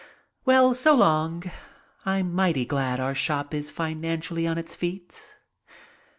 Well, so long! I'm mighty glad our shop is financially on its feet."